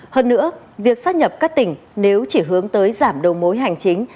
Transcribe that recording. hơn nữa việc xác nhập các tỉnh nếu chỉ hướng tới giảm đầu mối hành chính